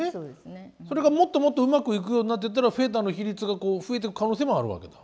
それがもっともっとうまくいくようになってったらフェーダーの比率が増えていく可能性もあるわけだ？